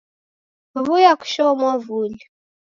W'uya kushoo mwavuli